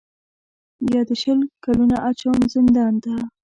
یا دي شل کلونه اچوم زندان ته